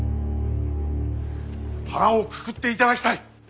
腹をくくっていただきたい。